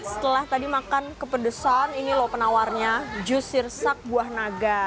setelah tadi makan kepedesan ini loh penawarnya jus sirsak buah naga